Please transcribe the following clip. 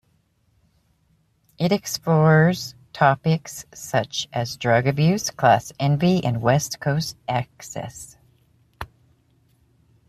It explores topics such as drug abuse, class envy, and West Coast excess.